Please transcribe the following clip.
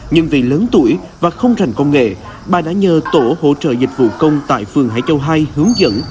nhưng vì lớn tuổi và không rành công nghệ bà đã nhờ tổ hỗ trợ dịch vụ công tại phường hải châu hai hướng dẫn